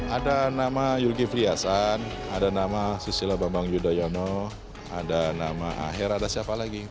ada nama zulkifli hasan ada nama susilo bambang yudhoyono ada nama aher ada siapa lagi